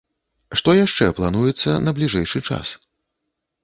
Што яшчэ плануецца на бліжэйшы час?